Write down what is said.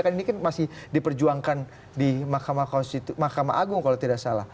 kan ini kan masih diperjuangkan di mahkamah agung kalau tidak salah